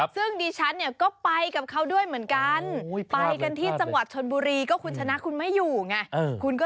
ซึ่งดิฉันก็ไปกับเขาด้วยเหมือนกัน